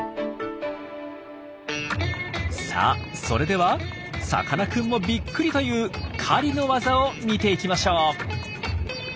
さあそれではさかなクンもびっくりという狩りの技を見ていきましょう。